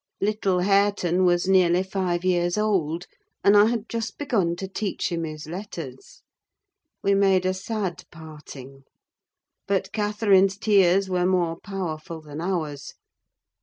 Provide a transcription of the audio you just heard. Little Hareton was nearly five years old, and I had just begun to teach him his letters. We made a sad parting; but Catherine's tears were more powerful than ours.